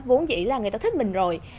vốn dĩ là người ta thích mình rồi